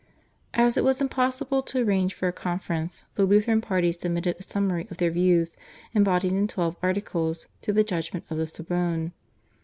As it was impossible to arrange for a conference, the Lutheran party submitted a summary of their views embodied in twelve articles to the judgment of the Sorbonne.